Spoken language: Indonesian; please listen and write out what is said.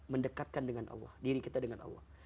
mendekatkan diri kita dengan allah